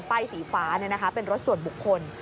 ป้ายสีฟ้าเนี่ยนะคะเป็นรถส่วนบุคคล